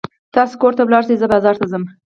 تاسې کور ته ولاړ شئ، زه بازار ته ځم.